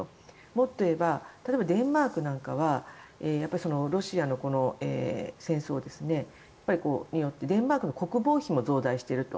もっと言えば例えばデンマークなんかはロシアの戦争によってデンマークの国防費も増大していると。